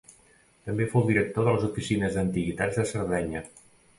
També fou director de les Oficines d'Antiguitats de Sardenya.